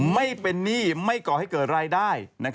ไม่เป็นหนี้ไม่ก่อให้เกิดรายได้